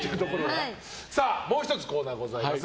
もう１つコーナーがございます。